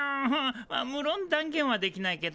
あっむろん断言はできないけどね。